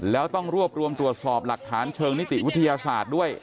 แล้วต้องรวบรวมตรวจสอบหลักฐานเชิงนิติวิทยาศาสตร์ด้วย